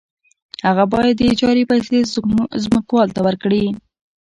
هغه باید د اجارې پیسې ځمکوال ته ورکړي